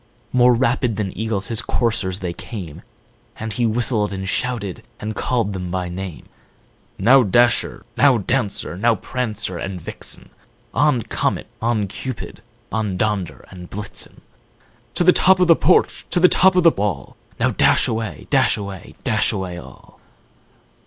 More rapid than eagles his coursers they came, And he whistled, and shouted, and called them by name: ow, Dasher! now, Dancer! now, Prancer and Vixen! On, Comet! on, Cupid! on, Donder and Blitzen! To the top of the porch! to the top of the wall! Now dash away! dash away! dash away all!"